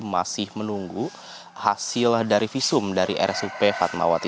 masih menunggu hasil dari visum dari rsup fatmawati